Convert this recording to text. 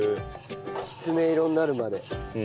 きつね色になるまで。